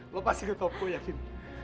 lo pasti ke topo ya fin